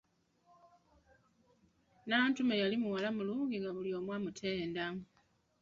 Nantume yali muwala mulungi nga buli omu amutenda!